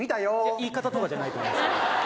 言い方とかじゃないと思います。